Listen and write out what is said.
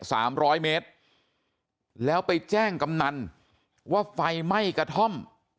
สามร้อยเมตรแล้วไปแจ้งกำนันว่าไฟไหม้กระท่อม